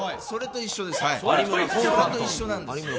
それと一緒なんです。